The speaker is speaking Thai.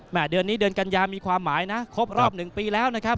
เดือนนี้เดือนกัญญามีความหมายนะครบรอบ๑ปีแล้วนะครับ